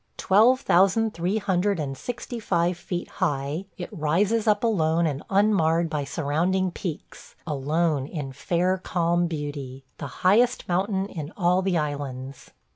Twelve thousand three hundred and sixty five feet high, it rises up alone and unmarred by surrounding peaks; alone in fair calm beauty – the highest mountain in all the islands.